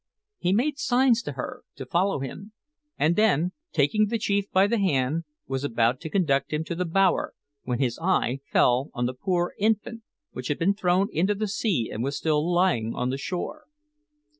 He made signs to her to follow him, and then, taking the chief by the hand, was about to conduct him to the bower when his eye fell on the poor infant which had been thrown into the sea and was still lying on the shore.